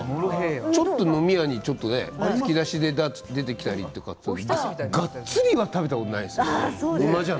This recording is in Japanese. ちょっと飲み屋で突き出しで出てきたりがっつりは食べたことないですけど。